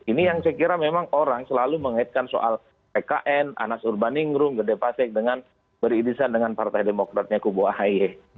ini yang saya kira memang orang selalu mengaitkan soal pkn anas urbaningrum gede pasek dengan beririsan dengan partai demokratnya kubu ahy